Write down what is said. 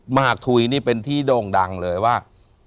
หมากถุยนี่เป็นที่โด่งดังเลยว่า